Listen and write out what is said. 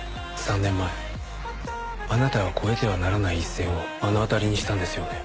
３年前あなたは越えてはならない一線を目の当たりにしたんですよね？